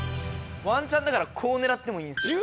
ワンチャンだからこう狙ってもいいんすよ。